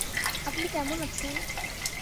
আপনি কেমন আছেন?